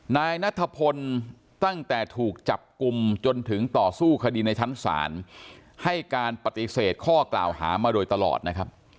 นายนัทพลตั้งแต่ถูกจับกลุ่มจนถึงต่อสู้คดีในชั้นศาลให้การปฏิเสธข้อกล่าวหามาโดยตลอดนะครับ